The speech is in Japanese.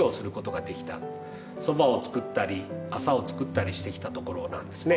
ソバを作ったり麻を作ったりしてきたところなんですね。